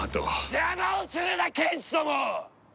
邪魔をするな剣士ども！